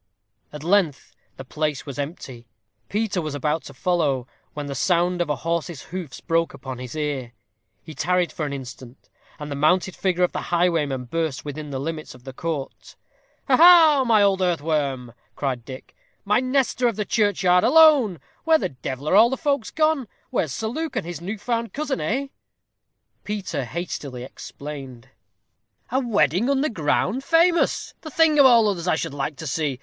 At length the place was empty. Peter was about to follow, when the sound of a horse's hoofs broke upon his ear. He tarried for an instant, and the mounted figure of the highwayman burst within the limits of the court. "Ha, ha! old earthworm," cried Dick, "my Nestor of the churchyard, alone! Where the devil are all the folks gone? Where's Sir Luke and his new found cousin, eh?" Peter hastily explained. "A wedding under ground? famous! the thing of all others I should like to see.